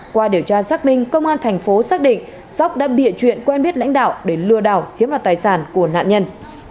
qua điều tra xác minh công an tp xác định sóc đã bịa chuyện quen biết lãnh đạo để lừa đảo chiếm hoạt tài sản của nạn nhân